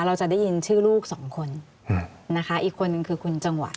เราจะได้ยินชื่อลูกสองคนนะคะอีกคนนึงคือคุณจังหวะ